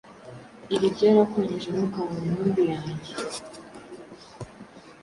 iri ryarakonkeje ntukabone intumbi yange,